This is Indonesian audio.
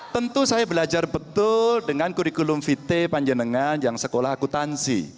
tentu saya belajar betul dengan kurikulum vt panjenengan yang sekolah akutansi